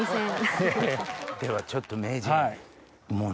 ではちょっと名人。